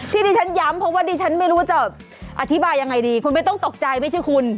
ที่ที่ฉันย้ำเพราะว่าดิฉันไม่รู้จะอธิบายยังไงดีคุณไม่ต้องตกใจไม่ใช่คุณ